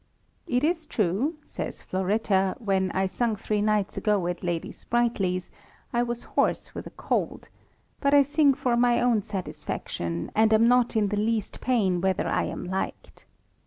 It is true, says Floretta, when I sung three nights ago at lady Sprightly's, I was hoarse with a cold ; but I sing for my own satisfaction, and am not in the least pain whether I am liked.